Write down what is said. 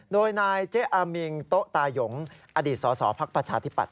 โดยนายเจ๊อามิงโต๊ะตายงอดีตสสพักประชาธิปัต